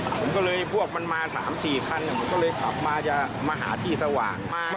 ผมก็เลยพวกมันมา๓๔คันผมก็เลยขับมาจะมาหาที่สว่าง